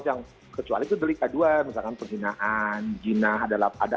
kalau yang kecuali itu delik aduan misalkan penghinaan jina adalat ada hal lain